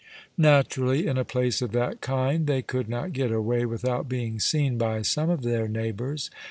Naturally, in a place of that kind, they could not get away without being seen by some of their neighbours.